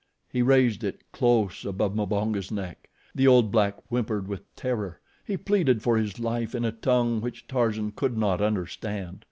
He raised it close above Mbonga's neck. The old black whimpered with terror. He pleaded for his life in a tongue which Tarzan could not understand.